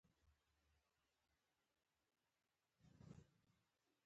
ازادي راډیو د د مخابراتو پرمختګ لپاره د چارواکو دریځ خپور کړی.